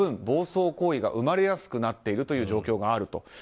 暴走行為が生まれやすくなっているという状況があると。